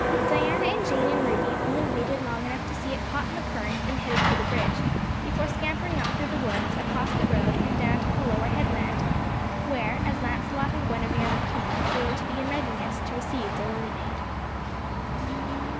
Diana and Jane and Ruby only waited long enough to see it caught in the current and headed for the bridge before scampering up through the woods, across the road, and down to the lower headland where, as Lancelot and Guinevere and the King, they were to be in readiness to receive the lily maid.